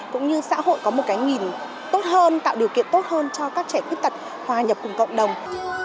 cũng như xã hội có một cái nhìn tốt hơn tạo điều kiện tốt hơn cho các trẻ khuyết tật hòa nhập cùng cộng đồng